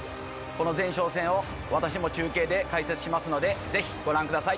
この前哨戦を私も中継で解説しますのでぜひご覧ください。